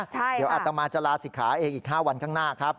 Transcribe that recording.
เดี๋ยวอัตมาจะลาศิกขาเองอีก๕วันข้างหน้าครับ